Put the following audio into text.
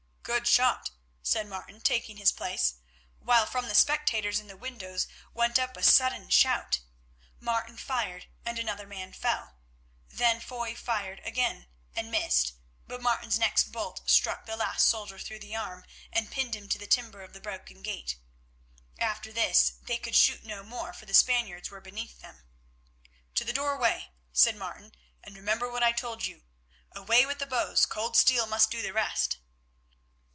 "Good shot," said Martin taking his place, while from the spectators in the windows went up a sudden shout. Martin fired and another man fell. Then Foy fired again and missed, but Martin's next bolt struck the last soldier through the arm and pinned him to the timber of the broken gate. After this they could shoot no more, for the Spaniards were beneath them. "To the doorway," said Martin, "and remember what I told you. Away with the bows, cold steel must do the rest."